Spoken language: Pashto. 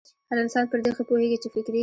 هر انسان پر دې ښه پوهېږي چې فکري